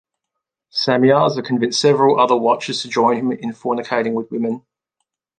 Samyaza convinced several other Watchers to join him in fornicating with women.